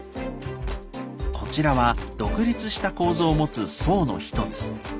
こちらは独立した構造を持つ層の一つ。